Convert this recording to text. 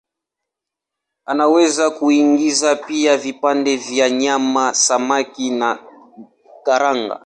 Unaweza kuingiza pia vipande vya nyama, samaki na karanga.